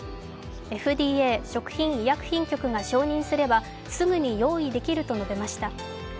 ＦＤＡ＝食品医薬品局が承認すればすぐに用意できると述べました。